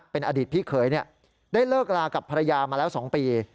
เป็นอดีตพี่เคยได้เลิกลากับภรรยามาแล้ว๒ปี